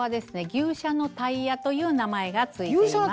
「牛車のタイヤ」という名前が付いています。